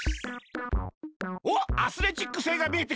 おっアスレチック星がみえてきたぞ！